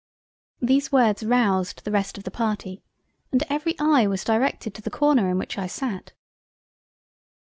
These words roused the rest of the Party, and every eye was directed to the corner in which I sat.